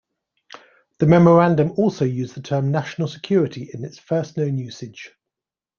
The memorandum also used the term "national security" in its first known usage.